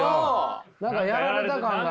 何かやられた感があるな。